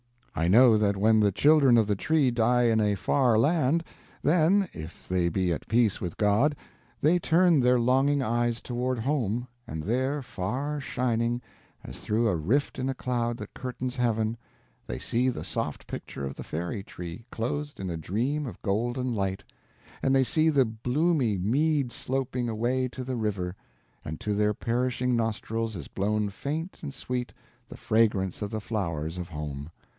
I know that when the Children of the Tree die in a far land, then—if they be at peace with God—they turn their longing eyes toward home, and there, far shining, as through a rift in a cloud that curtains heaven, they see the soft picture of the Fairy Tree, clothed in a dream of golden light; and they see the bloomy mead sloping away to the river, and to their perishing nostrils is blown faint and sweet the fragrance of the flowers of home.